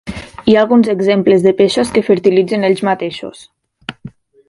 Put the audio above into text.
Hi ha alguns exemples de peixos que fertilitzen ells mateixos.